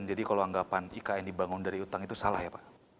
jadi kalau anggapan ikn dibangun dari utang itu salah ya pak